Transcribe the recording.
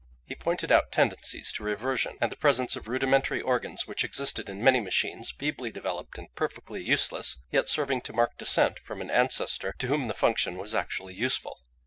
He pointed out tendencies to reversion, and the presence of rudimentary organs which existed in many machines feebly developed and perfectly useless, yet serving to mark descent from an ancestor to whom the function was actually useful.